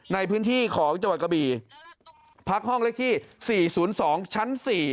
ในพื้นที่ของจังหวัดกะบีพักห้องเลขที่๔๐๒ชั้น๔